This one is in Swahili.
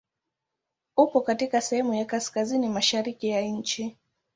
Upo katika sehemu ya kaskazini mashariki ya nchi.